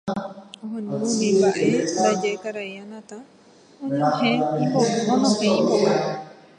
Ohendúvo umi mba'e ndaje karai Anata onohẽ imboka